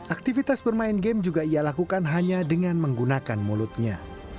aktivitas bermain game juga ia lakukan hanya dengan menggunakan mulutnya